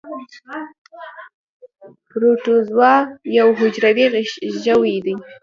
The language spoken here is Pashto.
پروټوزوا یو حجروي ژوي دي